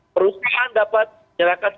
perusahaan dapat menyerahkan